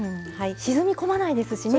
沈み込まないですよね。